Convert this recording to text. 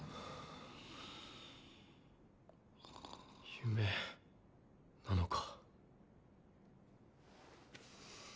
夢なのか？